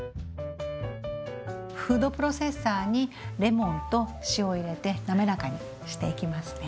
フードプロセッサーにレモンと塩を入れて滑らかにしていきますね。